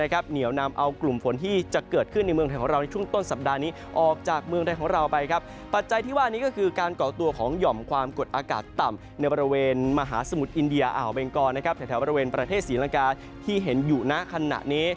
ที่ว่านี้ก็คือการกรอกตัวของหย่อมความกดอากาศต่ำในบริเวณมหาสมุทรออาวเวงกรแถวบริเวณประเทศศีลังกาที่เห็นอยู่ในขณะนี้